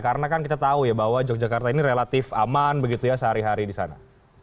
karena kan kita tahu ya bahwa yogyakarta ini relatif aman begitu ya sehari hari di sana